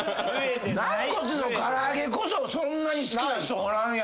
なんこつの唐揚げこそそんなに好きな人おらんやろ。